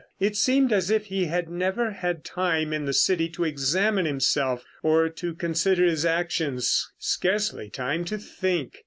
It seemed as if he had never had time in the city to examine himself or to consider his actions, scarcely time to think.